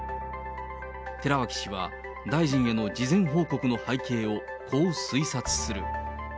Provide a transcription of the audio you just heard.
寺脇氏は、大臣への事前報告の背景をこう推察する。